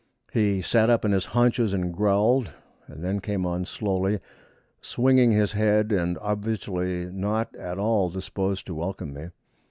He sat up on his haunches and growled, and then came on slowly, swinging his head, and obviously not at all disposed to welcome me.